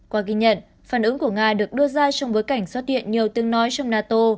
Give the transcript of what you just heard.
qua ghi nhận phản ứng của nga được đưa ra trong bối cảnh xuất hiện nhiều tiếng nói trong nato